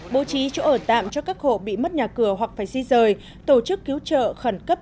bố trí chỗ ở tạm cho các hộ bị mất nhà cửa hoặc phải di rời tổ chức cứu trợ khẩn cấp